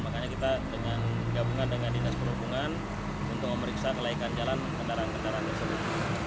makanya kita dengan gabungan dengan dinas perhubungan untuk memeriksa kelaikan jalan kendaraan kendaraan tersebut